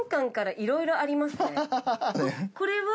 これは？